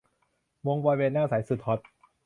วงบอยแบนด์หน้าใสสุดฮอต